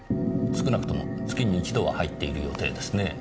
少なくとも月に一度は入っている予定ですねぇ。